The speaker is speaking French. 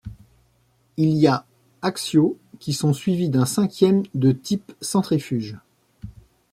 Il y a axiaux, qui sont suivis d'un cinquième de type centrifuge.